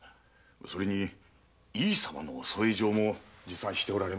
それに井伊様の添え状も持参しておられます。